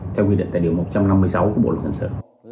theo quy định tại điều một trăm năm mươi sáu của bộ luật hình sự